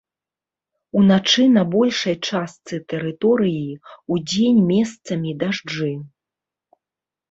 Уначы на большай частцы тэрыторыі, удзень месцамі дажджы.